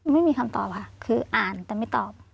ไม่มีคำตอบค่ะคืออ่านแต่ไม่ตอบ